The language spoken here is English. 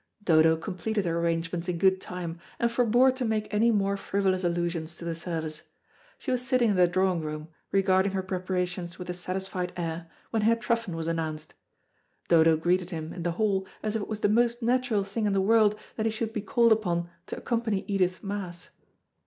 Dodo completed her arrangements in good time, and forebore to make any more frivolous allusions to the service. She was sitting in the drawing room, regarding her preparations with a satisfied air, when Herr Truffen was announced. Dodo greeted him in the hall as if it was the most natural thing in the world that he should be called upon to accompany Edith's Mass.